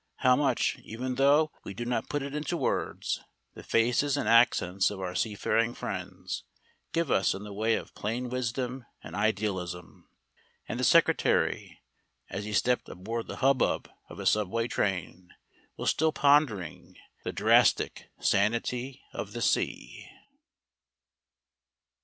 How much, even though we do not put it into words, the faces and accents of our seafaring friends give us in the way of plain wisdom and idealism. And the secretary, as he stepped aboard the hubbub of a subway train, was still pondering "the drastic sanity of the sea."